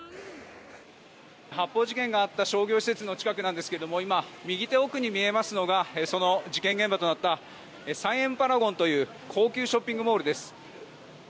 発砲事件があった商業施設の近くなんですけども今、右手奥に見えますのがその事件現場となったサイエン・パラゴンという高級ショッピングモールです。